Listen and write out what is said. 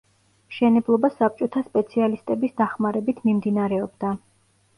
მშენებლობა საბჭოთა სპეციალისტების დახმარებით მიმდინარეობდა.